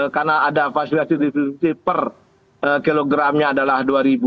karena ada fasilitasi distribusi per kilogramnya adalah dua